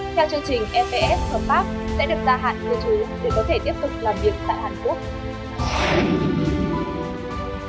theo chương trình sps hợp pháp sẽ được gia hạn dư trú để có thể tiếp tục làm việc tại hàn quốc